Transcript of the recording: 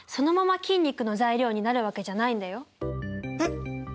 えっ？